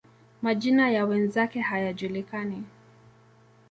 Majina ya wenzake hayajulikani.